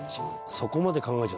そこまで考えた。